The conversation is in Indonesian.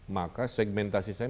maka segmentasi saya